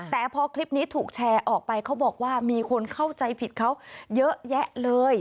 แต่พอคลิปนี้ถูกแชร์ออกไปเขาบอกว่ามีคนเข้าใจผิดเขาเยอะแยะเลย